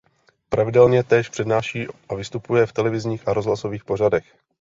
Pravidelně též přednáší a vystupuje v televizních a rozhlasových pořadech.